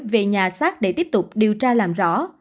về nhà xác để tiếp tục điều tra làm rõ